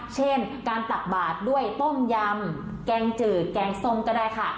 เช่นการตักบาดด้วยต้มยำแกงจืดแกงส้มก็ได้ค่ะ